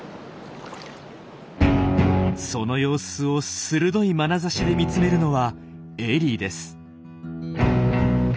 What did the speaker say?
その様子を鋭いまなざしで見つめるのはエリーです。